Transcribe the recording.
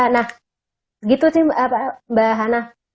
nah gitu sih mbak hana